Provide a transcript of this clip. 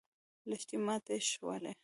لښتې ماتې شولې.